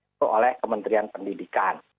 itu oleh kementerian pendidikan